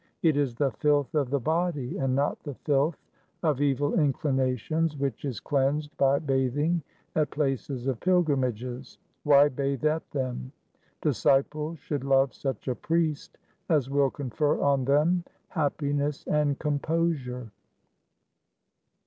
It is the filth of the body and not the filth of evil inclinations which is cleansed by bathing at places of pilgrimages. Why bathe at them ? Disciples should love such a priest as will con fer on them happiness and composure.